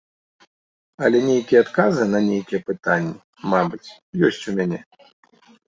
Але нейкія адказы на нейкія пытанні, мабыць, ёсць у мяне.